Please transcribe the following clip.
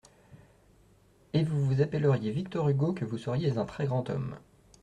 Et vous vous appelleriez Victor Hugo, que vous seriez un très grand homme…